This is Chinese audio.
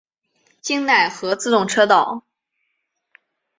京奈和自动车道。